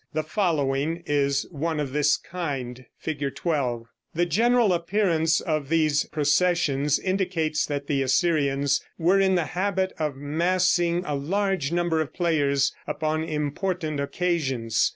The following is one of this kind. [Illustration: Fig. 12.] The general appearance of these processions indicates that the Assyrians were in the habit of massing a large number of players upon important occasions.